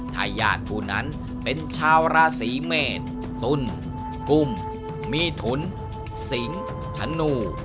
ถ้าญาติผู้นั้นเป็นชาวราศีเมษตุ้นภูมิมีถุนสิงธนู